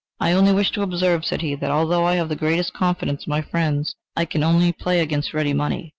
"I only wish to observe," said he, "that although I have the greatest confidence in my friends, I can only play against ready money.